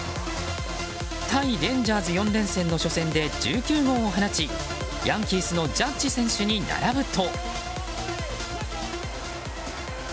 対レンジャーズ４連戦の初戦で１９号を放ちヤンキースのジャッジ選手に並ぶと。